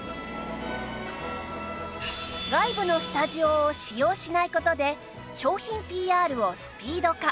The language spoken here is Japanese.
外部のスタジオを使用しない事で商品 ＰＲ をスピード化